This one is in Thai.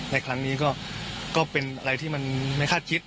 ในครั้งนี้ก็เป็นอะไรที่มันไม่คาดคิด